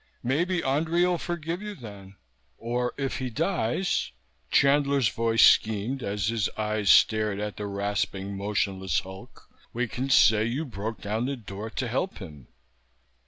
Maybe Andrei'll forgive you then Or if he dies," Chandler's voice schemed as his eyes stared at the rasping motionless hulk, "we can say you broke down the door to help him.